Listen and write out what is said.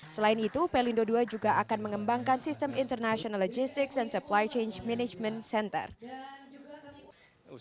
selain itu pelindo ii juga akan mengembangkan sistem international logistics